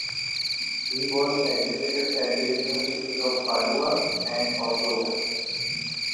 He was educated at the Universities of Padua and of Rome.